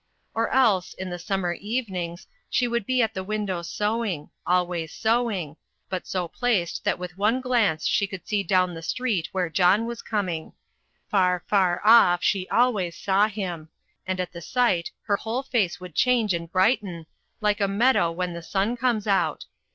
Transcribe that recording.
Or else, in the summer evenings, she would be at the window sewing always sewing but so placed that with one glance she could see down the street where John was coming. Far, far off she always saw him; and at the sight her whole face would change and brighten, like a meadow when the sun comes out.